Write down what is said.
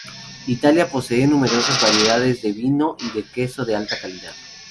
Italia posee numerosas variedades de vino y de queso de alta calidad.